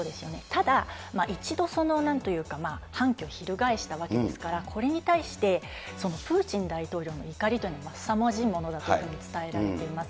ただ、一度、なんというか、反旗を翻したわけですから、これに対してプーチン大統領の怒りというのはすさまじいものだというふうに伝えられています。